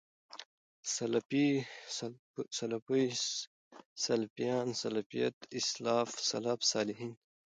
سلفي، سلفۍ، سلفيان، سلفيَت، اسلاف، سلف صالحين